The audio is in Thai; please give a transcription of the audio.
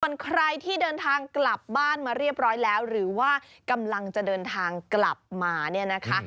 ส่วนใครที่เดินทางกลับบ้านมาเรียบร้อยแล้วหรือว่ากำลังจะเดินทางกลับมาเนี่ยนะคะ